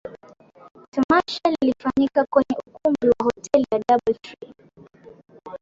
Tmasha lilifanyika kwenye ukumbi wa Hoteli ya Double Tree